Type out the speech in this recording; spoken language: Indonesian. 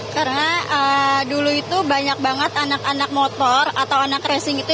karena dulu itu banyak banget anak anak motor atau anak resing itu